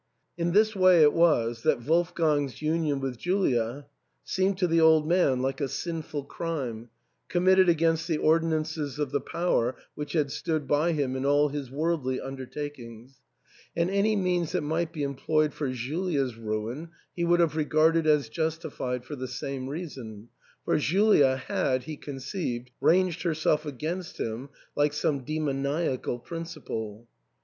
In this way it was that Wolfgang's union with Julia seemed to the old man like a sinful crime, committed against the ordinances of the Power which had stood by him in all his worldly undertakings ; and any means that might be employed for Julia's ruin he would have regarded as justified for the same reason, for Julia had, he conceived, ranged herself against him like some demoniacal principle.